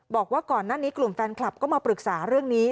บอกว่าก่อนหน้านี้กลุ่มแฟนคลับก็มาปรึกษาเรื่องนี้